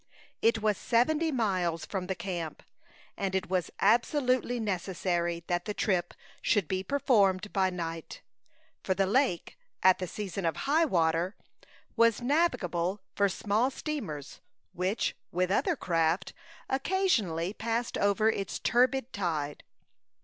It was seventy miles from the camp, and it was absolutely necessary that the trip should be performed by night, for the lake, at the season of high water, was navigable for small steamers, which, with other craft, occasionally passed over its turbid tide.